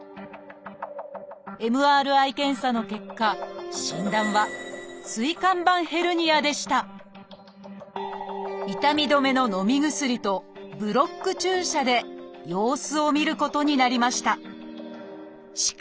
ＭＲＩ検査の結果診断は痛み止めののみ薬とブロック注射で様子を見ることになりました。